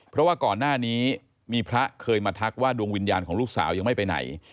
เพราะว่าก่อนหน้านี้มีพระเคยมาทักว่าดวงวิญญาณของลูกสาวยังไม่ไปไหน